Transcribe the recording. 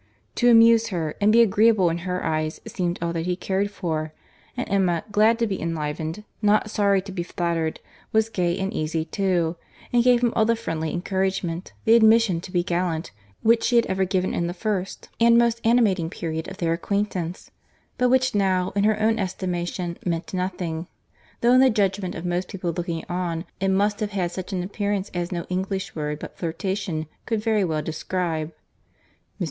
To amuse her, and be agreeable in her eyes, seemed all that he cared for—and Emma, glad to be enlivened, not sorry to be flattered, was gay and easy too, and gave him all the friendly encouragement, the admission to be gallant, which she had ever given in the first and most animating period of their acquaintance; but which now, in her own estimation, meant nothing, though in the judgment of most people looking on it must have had such an appearance as no English word but flirtation could very well describe. "Mr.